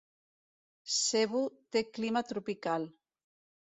Cebu té clima tropical.